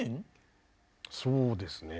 そうですね。